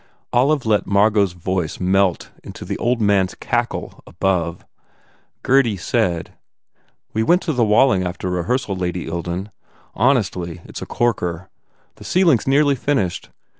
Olive let Margot s voice melt into the old man s cackle above. Gurdy said, "We went to the Walling after rehearsal, Lady Ilden. Hon estly, it s a corker. The ceiling s nearly finished.